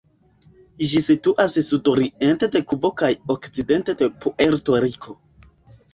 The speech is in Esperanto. Ĝi situas sudoriente de Kubo kaj okcidente de Puerto-Riko.